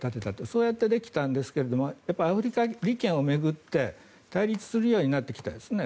そうやってできたんですがやっぱりアフリカ利権を巡って対立するようになってきたんですね。